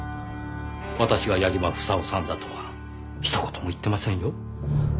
私は矢嶋房夫さんだとはひと言も言ってませんよ。